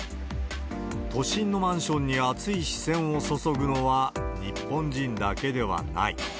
都心のマンションに熱い視線を注ぐのは、日本人だけではない。